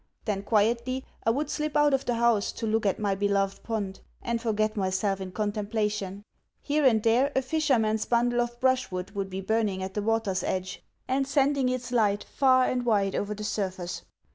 Then quietly I would slip out of the house to look at my beloved pond, and forget myself in contemplation. Here and there a fisherman's bundle of brushwood would be burning at the water's edge, and sending its light far and wide over the surface.